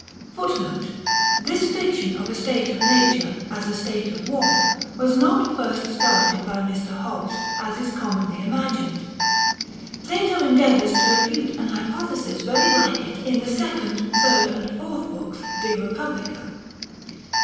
[Footnote: This fiction of a state of nature, as a state of war, was not first started by Mr. Hobbes, as is commonly imagined. Plato endeavours to refute an hypothesis very like it in the second, third, and fourth books de republica.